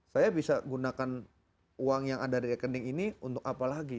saya bisa gunakan uang yang ada di rekening ini untuk apa lagi